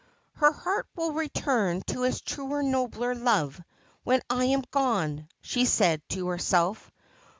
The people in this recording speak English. ' His heart will return to its truer nobler love when I am gone,' she said to herself.